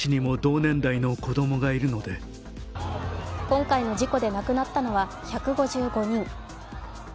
今回の事故で亡くなったのは１５５人。